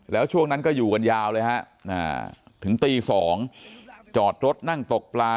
แล้วช่วงนั้นก็อยู่กันยาวเลยฮะถึงตี๒จอดรถนั่งตกปลา